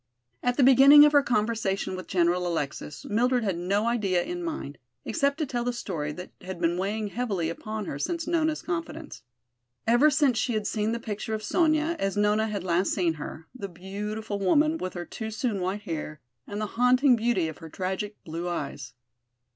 At the beginning of her conversation with General Alexis, Mildred had no idea in mind, except to tell the story that had been weighing heavily upon her since Nona's confidence. Ever since she had seen the picture of Sonya, as Nona had last seen her, the beautiful woman with her too soon white hair and the haunting beauty of her tragic blue eyes.